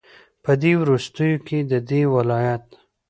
په دې وروستيو كې ددې ولايت